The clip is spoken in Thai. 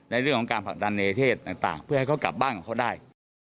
ในเรื่องของการผลักดันในเทศต่างเพื่อให้เขากลับบ้านของเขาได้